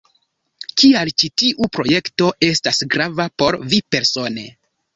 Kial ĉi tiu projekto estas grava por vi persone?